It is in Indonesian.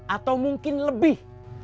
atau mungkin lebih